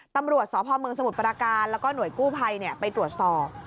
ตำรวจสพเมืองสมุทรปราการแล้วก็หน่วยกู้ภัยไปตรวจสอบ